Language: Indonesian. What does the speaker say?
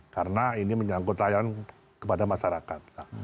karena ini menyangkut layanan kepada masyarakat